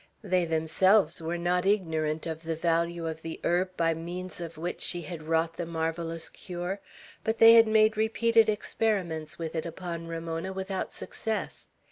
They themselves were not ignorant of the value of the herb by means of which she had wrought the marvellous cure; but they had made repeated experiments with it upon Ramona, without success.